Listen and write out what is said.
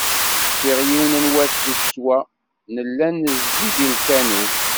Cfiɣ yiwen n wass di ccetwa, nella nezzi-d i lkanun.